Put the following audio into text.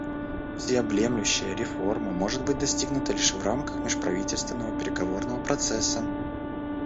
Всеобъемлющая реформа может быть достигнута лишь в рамках межправительственного переговорного процесса.